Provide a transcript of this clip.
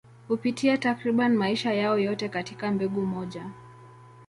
Hupitia takriban maisha yao yote katika mbegu moja.